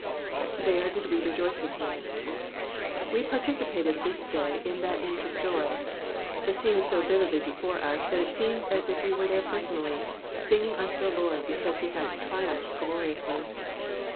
''^^ There did we rejoice in him.'*'* We participate this day in that ancient joy. The scene is so vividly before us that it seems as if we were there personally, singing unto the Lord because he Ifath triumphed gloriously.